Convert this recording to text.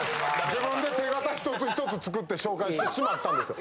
自分で手形ひとつひとつ作って紹介してしまったんですよ。